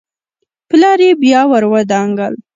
پلار يې بيا ور ودانګل.